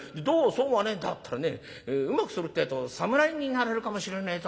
ったらね『うまくするってえと侍になれるかもしれねえぞ』